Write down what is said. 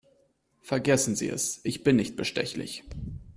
Vergessen Sie es, ich bin nicht bestechlich.